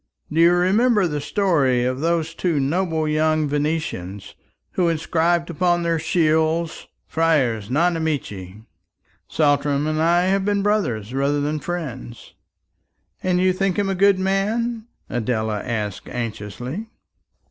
Do you remember the story of those two noble young Venetians who inscribed upon their shield Fraires, non amici? Saltram and I have been brothers rather than friends." "And you think him a good man?" Adela asked anxiously.